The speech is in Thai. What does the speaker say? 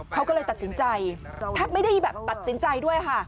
เขาก็เลยตัดสินใจแทบไม่ได้แบบตัดสินใจด้วยค่ะ